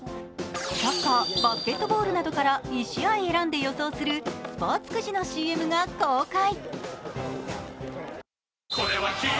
サッカー、バスケットボールなどから１試合選んで予想するスポーツくじのＣＭが公開。